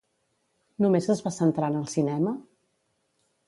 Només es va centrar en el cinema?